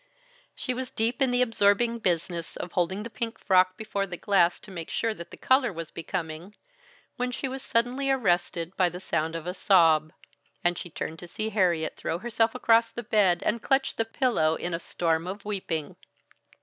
She was deep in the absorbing business of holding the pink frock before the glass to make sure that the color was becoming, when she was suddenly arrested by the sound of a sob, and she turned to see Harriet throw herself across the bed and clutch the pillow in a storm of weeping.